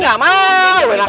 udah balik aja balik